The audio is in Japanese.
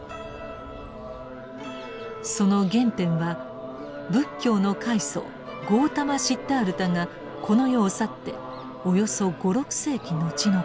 その原点は仏教の開祖ゴータマ・シッダールタがこの世を去っておよそ５６世紀後のこと。